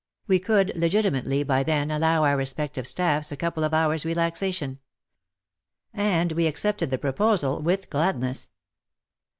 We could legitimately by then allow our respective staffs a couple of hours relaxation. And we accepted the pro posal with gladness.